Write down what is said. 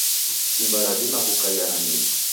Shimba radima kukaia na miri.